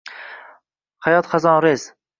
Hayot xazonrez